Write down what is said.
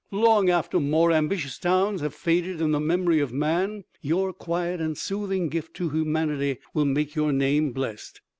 Long after more ambitious towns have faded in the memory of man your quiet and soothing gift to humanity will make your name blessed.